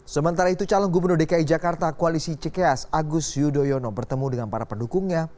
sementara itu calon gubernur dki jakarta koalisi cks agus yudhoyono bertemu dengan para pendukungnya